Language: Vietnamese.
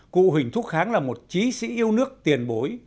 cụ huỳnh thúc kháng là một chí sĩ yêu nước tiền bối